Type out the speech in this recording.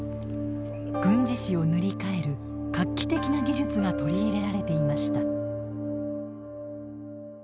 軍事史を塗り替える画期的な技術が取り入れられていました。